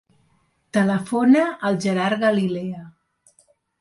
Telefona al Gerard Galilea.